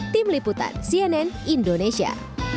tim liputan cnn indonesia